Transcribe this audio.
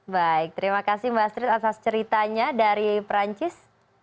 baik terima kasih mbak astrid atas ceritanya dari perancis